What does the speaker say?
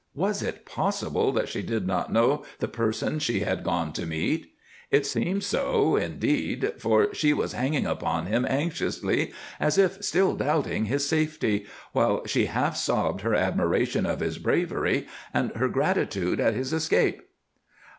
Was it possible that she did not know the person she had gone to meet? It seemed so, indeed, for she was hanging upon him anxiously, as if still doubting his safety, while she half sobbed her admiration of his bravery and her gratitude at his escape.